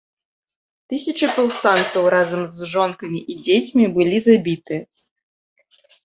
Тысячы паўстанцаў разам з жонкамі і дзецьмі былі забіты.